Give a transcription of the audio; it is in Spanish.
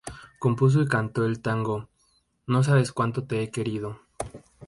Compuso y cantó el tango "No sabes cuanto te he querido".